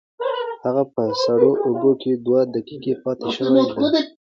هغه په سړو اوبو کې دوه دقیقې پاتې شوې ده.